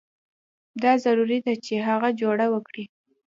دا ضروري ده چې هغه جوړه وکړي.